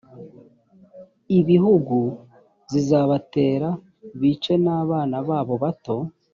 ibihugu zizabatera bice n’abana babo bato